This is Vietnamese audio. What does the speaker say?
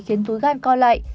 khiến túi gan co lại